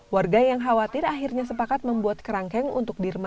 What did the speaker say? warga yang khawatir akhirnya sepakat membuat kerangkeng untuk dirman